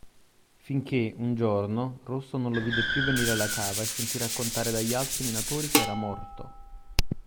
Finché, un giorno, Rosso non lo vide più venire alla cava e sentì raccontare dagli altri minatori che era morto.